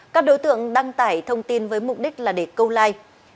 các đối tượng đăng tải thông tin với mục đích là để câu like